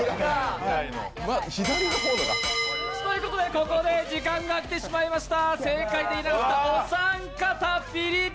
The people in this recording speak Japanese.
ここで時間が来てしまいました。